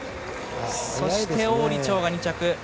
そして王李超が２着。